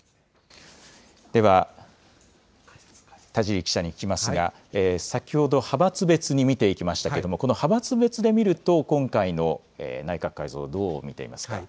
では田尻記者に聞きますが先ほど派閥別に見ていきましたけれどもこの派閥別に見ると今回の内閣改造、どう見ていますか。